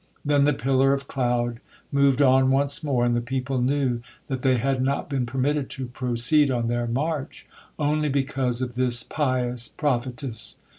Then the pillar of cloud moved on once more and the people knew that they had not been permitted to proceed on their march only because of this pious prophetess.